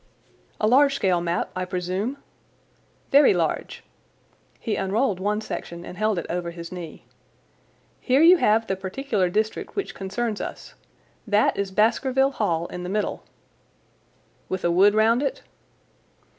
"A large scale map, I presume?" "Very large." He unrolled one section and held it over his knee. "Here you have the particular district which concerns us. That is Baskerville Hall in the middle." "With a wood round it?"